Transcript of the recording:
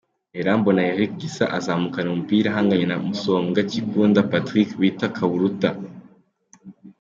Irambona Eric Gisa azamukana umupira ahanganye na Musombwa Kikunda Patrick bita Kaburuta .